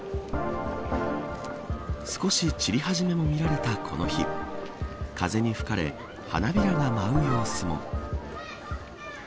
少し散り始めも見られたこの日風に吹かれ花びらが舞う様子も。